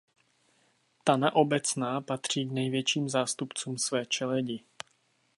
Tana obecná patří k největším zástupcům své čeledi.